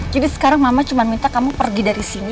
jadi sekarang mama cuma minta kamu pergi dari sini